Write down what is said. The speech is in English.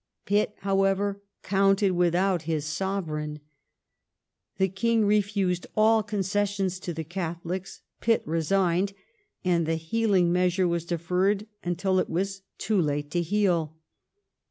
Pitt, however, counted without his Sovereign. The King refused all concessions to the Catholics ; Pitt resigned ; and the healing measure was deferred until it was too late to heal.